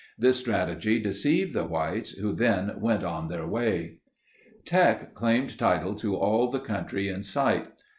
This strategy deceived the whites, who then went on their way.) Teck claimed title to all the country in sight.